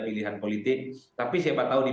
pilihan politik tapi siapa tahu di